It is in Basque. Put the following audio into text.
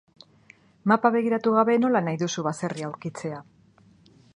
Mapa begiratu gabe nola nahi duzu baserria aurkitzea?